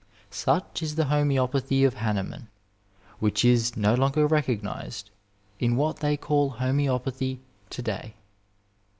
Such is the homcepathj of Hahnemann, which is no longer recognized in what thej call homcBopathy to day."